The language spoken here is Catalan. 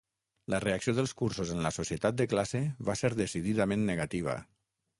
La reacció dels cursos en la societat de classe va ser decididament negativa.